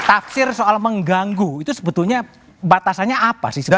tafsir soal mengganggu itu sebetulnya batasannya apa sih